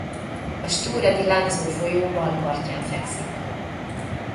A Stura di Lanzo folyó bal partján fekszik.